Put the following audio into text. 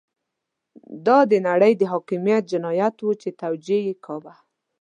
دا د نړۍ د حاکميت جنايت وو چې توجیه يې کاوه.